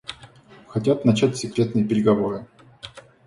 Хотят начать секретные переговоры.